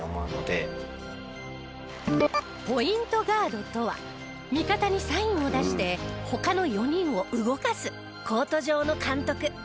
ガードとは味方にサインを出して他の４人を動かすコート上の監督。